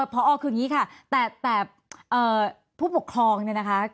พอคืออย่างนี้ค่ะแต่ผู้ปกครองเนี่ยนะคะ